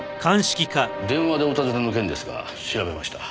電話でお尋ねの件ですが調べました。